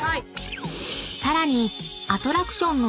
［さらにアトラクションの］